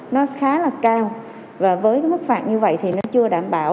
nó khá là cao và với cái mức phạt như vậy thì nó chưa đảm bảo